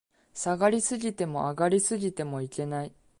下がり過ぎても、上がり過ぎてもいけない